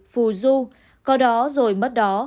phù du có đó rồi mất đó